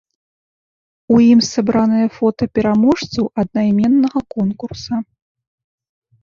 У ім сабраныя фота пераможцаў аднайменнага конкурса.